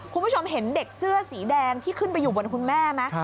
คุณผู้ชมเห็นเด็กเสื้อสีแดงที่ขึ้นไปอยู่บนคุณแม่ไหม